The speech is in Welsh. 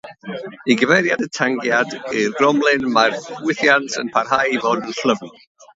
I gyfeiriad y tangiad i'r gromlin, mae'r ffwythiant yn parhau i fod yn llyfn.